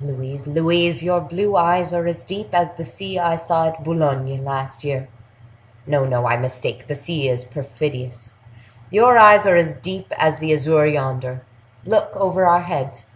"Louise, Louise, your blue eyes are as deep as the sea I saw at Boulogne last year! No, no, I mistake—the sea is perfidious: your eyes are as deep as the azure yonder—look!—over our heads!"